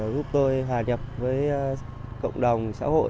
giúp tôi hòa nhập với cộng đồng